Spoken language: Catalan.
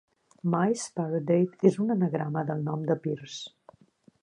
"Mice Parade" és un anagrama del nom de Pierce.